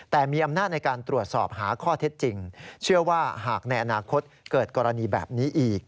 แต่มีอำนาจในการตรวจสอบหาข้อเท็จจริงเชื่อว่าหากในอนาคตเกิดกรณีแบบนี้อีก